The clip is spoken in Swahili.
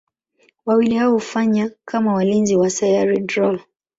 Wawili hao hufanya kama walinzi wa Sayari Drool.